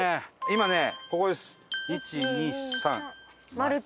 今ねここです。